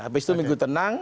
habis itu minggu tenang